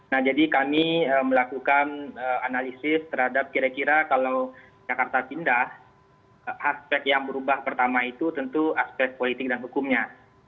nah jadi kami melakukan analisis terhadap kira kira kalau jakarta pindah aspek yang berubah pertama itu tentu aspek politik dan hukumnya